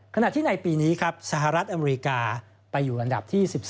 ขณะที่ในปีนี้ครับสหรัฐอเมริกาไปอยู่อันดับที่๑๒